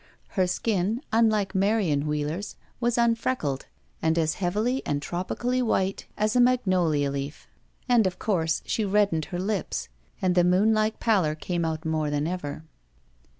Her skin, unlike Marion Wheeler's, was unfreckled, and as heavily and tropically white as a magnolia leaf, and, of course, she reddened her lips, and the moonlike pallor came out more than ever.